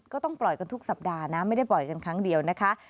ก็ต้องปล่อยกันทุกสัปดาห์นะไม่ได้ปล่อยกันครั้งเดียวนะคะ